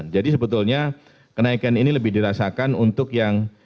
jadi sebetulnya kenaikan ini lebih dirasakan untuk yang